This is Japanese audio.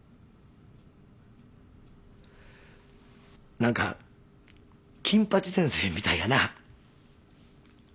何か金八先生みたいやな。